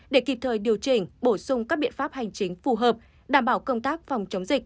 để kịp thời điều chỉnh bổ sung các biện pháp hành chính phù hợp đảm bảo công tác phòng chống dịch